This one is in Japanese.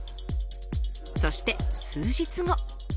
そして数日後。